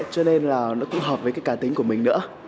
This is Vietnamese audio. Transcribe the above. cho nên là nó cũng hợp với cái cá tính của mình nữa